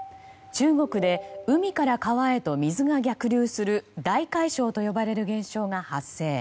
中国で海から川へと水が逆流する大海嘯と呼ばれる現象が発生。